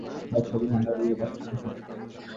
বাঁশরী হমারি রে, বাঁশরী হমারি রে!